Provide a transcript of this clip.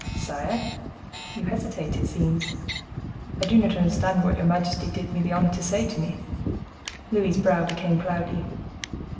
"Sire!" "You hesitate, it seems." "I do not understand what your majesty did me the honor to say to me." Louis's brow became cloudy.